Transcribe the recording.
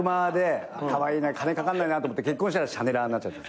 カワイイな金かかんないなと思って結婚したらシャネラーになっちゃった。